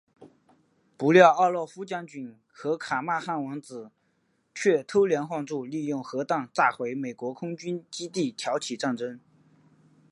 不料奥洛夫将军和卡马汉王子却偷梁换柱利用核弹炸毁美国空军基地挑起战争。